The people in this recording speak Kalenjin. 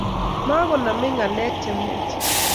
makonomei ngalek chemiach